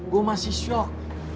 gua masih shock